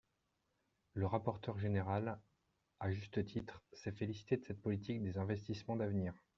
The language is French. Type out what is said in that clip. Le rapporteur général, à juste titre, s’est félicité de cette politique des investissements d’avenir.